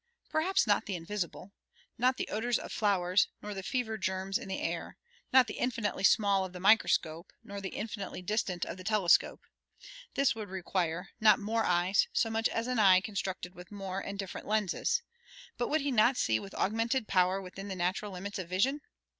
Perhaps not the invisible not the odors of flowers nor the fever germs in the air not the infinitely small of the microscope nor the infinitely distant of the telescope. This would require, not more eyes so much as an eye constructed with more and different lenses; but would he not see with augmented power within the natural limits of vision?